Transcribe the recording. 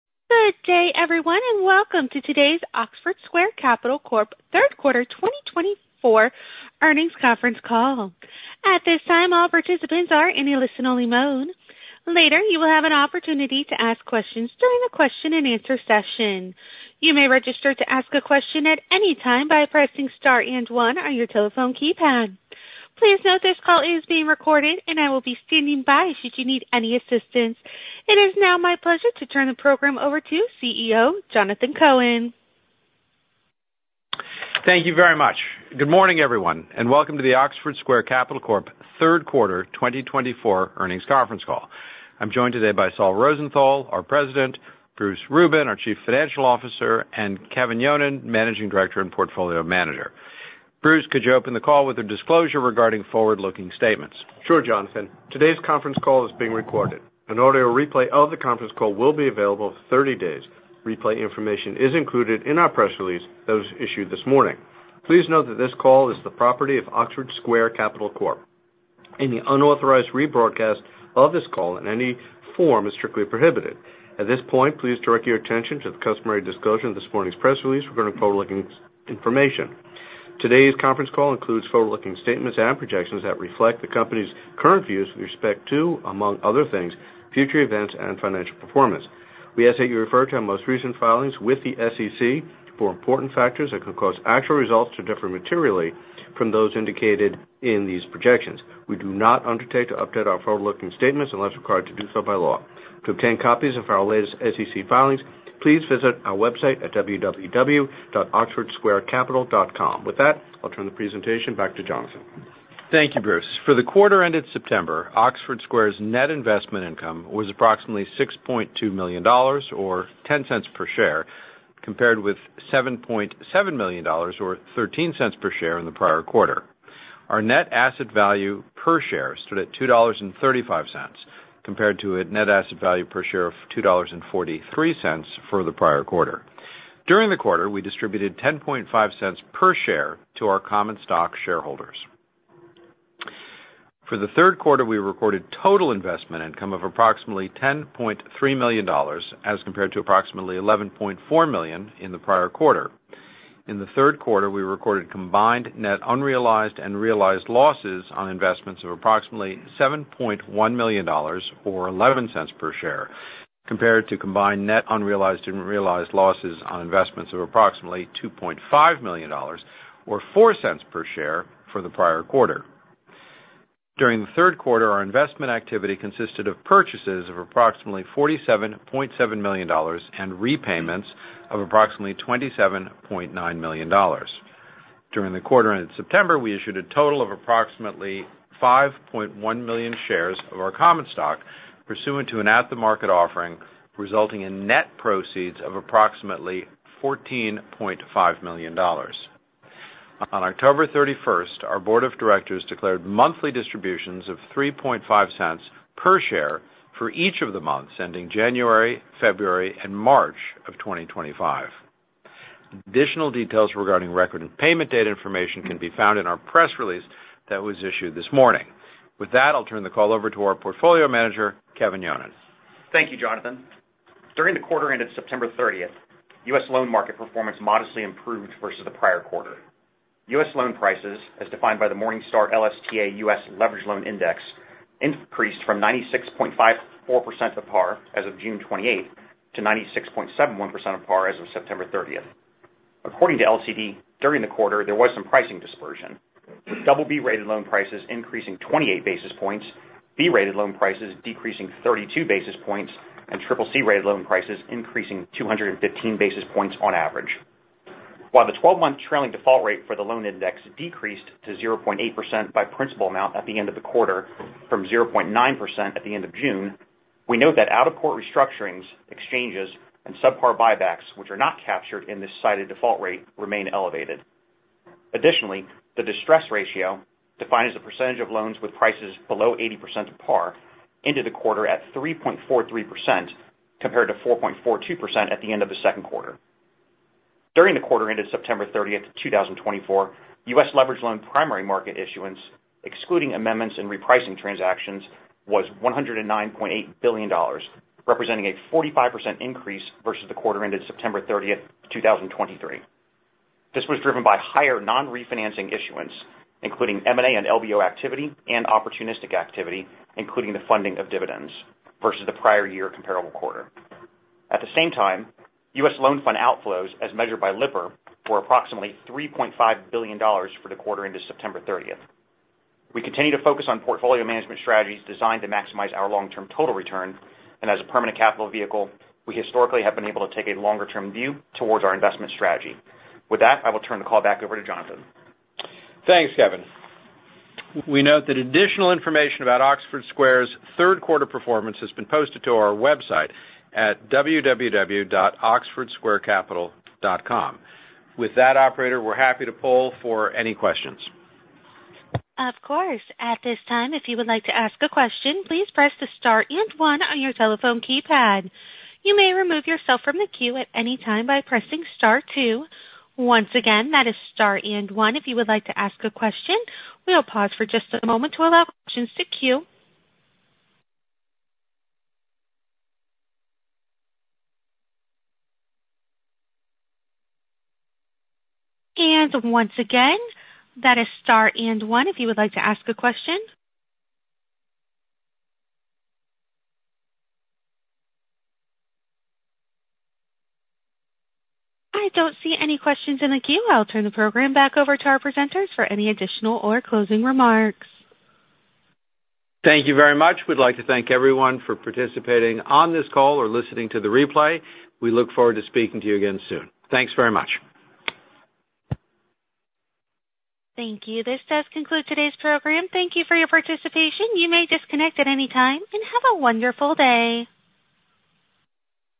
Good day, everyone, and welcome to today's Oxford Square Capital Corp. Third Quarter 2024 earnings conference call. At this time, all participants are in a listen-only mode. Later, you will have an opportunity to ask questions during the question-and-answer session. You may register to ask a question at any time by pressing star and one on your telephone keypad. Please note this call is being recorded, and I will be standing by should you need any assistance. It is now my pleasure to turn the program over to CEO Jonathan Cohen. Thank you very much. Good morning, everyone, and welcome to the Oxford Square Capital Corp. Third Quarter 2024 earnings conference call. I'm joined today by Saul Rosenthal, our President; Bruce Rubin, our Chief Financial Officer; and Kevin Yonan, Managing Director and Portfolio Manager. Bruce, could you open the call with a disclosure regarding forward-looking statements? Sure, Jonathan. Today's conference call is being recorded. An audio replay of the conference call will be available 30 days. Replay information is included in our press release, those issued this morning. Please note that this call is the property of Oxford Square Capital Corp. Any unauthorized rebroadcast of this call in any form is strictly prohibited. At this point, please direct your attention to the customary disclosure in this morning's press release regarding forward-looking information. Today's conference call includes forward-looking statements and projections that reflect the company's current views with respect to, among other things, future events and financial performance. We ask that you refer to our most recent filings with the SEC for important factors that could cause actual results to differ materially from those indicated in these projections. We do not undertake to update our forward-looking statements unless required to do so by law. To obtain copies of our latest SEC filings, please visit our website at www.oxfordsquarecapital.com. With that, I'll turn the presentation back to Jonathan. Thank you, Bruce. For the quarter-ended September, Oxford Square's net investment income was approximately $6.2 million or $0.10 per share, compared with $7.7 million or $0.13 per share in the prior quarter. Our net asset value per share stood at $2.35, compared to a net asset value per share of $2.43 for the prior quarter. During the quarter, we distributed $0.105 per share to our common stock shareholders. For the third quarter, we recorded total investment income of approximately $10.3 million as compared to approximately $11.4 million in the prior quarter. In the third quarter, we recorded combined net unrealized and realized losses on investments of approximately $7.1 million or $0.11 per share, compared to combined net unrealized and realized losses on investments of approximately $2.5 million or $0.04 per share for the prior quarter. During the third quarter, our investment activity consisted of purchases of approximately $47.7 million and repayments of approximately $27.9 million. During the quarter-ended September, we issued a total of approximately 5.1 million shares of our common stock, pursuant to an at-the-market offering, resulting in net proceeds of approximately $14.5 million. On October 31st, our board of directors declared monthly distributions of $0.035 per share for each of the months, ending January, February, and March of 2025. Additional details regarding record and payment date information can be found in our press release that was issued this morning. With that, I'll turn the call over to our portfolio manager, Kevin Yonan. Thank you, Jonathan. During the quarter-ended September 30th, U.S. loan market performance modestly improved versus the prior quarter. U.S. loan prices, as defined by the Morningstar LSTA U.S. Leveraged Loan Index, increased from 96.54% of par as of June 28th to 96.71% of par as of September 30th. According to LCD, during the quarter, there was some pricing dispersion, with BB-rated loan prices increasing 28 basis points, B-rated loan prices decreasing 32 basis points, and CCC-rated loan prices increasing 215 basis points on average. While the 12-month trailing default rate for the loan index decreased to 0.8% by principal amount at the end of the quarter from 0.9% at the end of June, we note that out-of-court restructurings, exchanges, and subpar buybacks, which are not captured in this cited default rate, remain elevated. Additionally, the distress ratio, defined as the percentage of loans with prices below 80% of par, ended the quarter at 3.43% compared to 4.42% at the end of the second quarter. During the quarter-ended September 30th, 2024, U.S. leveraged loan primary market issuance, excluding amendments and repricing transactions, was $109.8 billion, representing a 45% increase versus the quarter-ended September 30th, 2023. This was driven by higher non-refinancing issuance, including M&A and LBO activity and opportunistic activity, including the funding of dividends, versus the prior year comparable quarter. At the same time, U.S. loan fund outflows, as measured by Lipper, were approximately $3.5 billion for the quarter-ended September 30th. We continue to focus on portfolio management strategies designed to maximize our long-term total return, and as a permanent capital vehicle, we historically have been able to take a longer-term view towards our investment strategy. With that, I will turn the call back over to Jonathan. Thanks, Kevin. We note that additional information about Oxford Square's third quarter performance has been posted to our website at www.oxfordsquarecapital.com. With that, operator, we're happy to poll for any questions. Of course. At this time, if you would like to ask a question, please press the star and one on your telephone keypad. You may remove yourself from the queue at any time by pressing star two. Once again, that is star and one. If you would like to ask a question, we'll pause for just a moment to allow questions to queue, and once again, that is star and one. If you would like to ask a question, I don't see any questions in the queue. I'll turn the program back over to our presenters for any additional or closing remarks. Thank you very much. We'd like to thank everyone for participating on this call or listening to the replay. We look forward to speaking to you again soon. Thanks very much. Thank you. This does conclude today's program. Thank you for your participation. You may disconnect at any time and have a wonderful day.